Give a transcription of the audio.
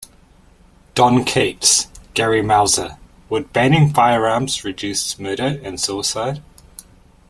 Don Kates, Gary Mauser, Would Banning Firearms Reduce Murder and Suicide?